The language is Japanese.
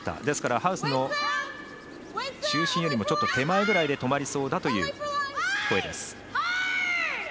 ですから、ハウスの中心よりもちょっと手前ぐらいで止まりそうだという声です。